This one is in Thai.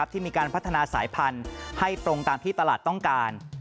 ที่มีการพัฒนาสายพันธุ์ให้ตรงตามที่ตลาดต้องการ